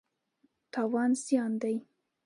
تاوان زیان دی.